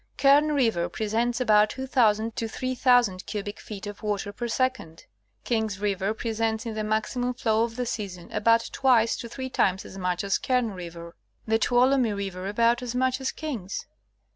Kern river presents about 2000 to 3000 cubic feet of water per second ; King's river presents in the maximum flow of the season about twice to three times as much as Kern river ; the Tuolumne river about as much as King's.